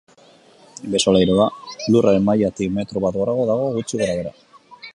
Behe-solairua lurraren mailatik metro bat gorago dago, gutxi gorabehera.